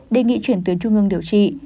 đề nghị chuyển tuyến trung ương điều trị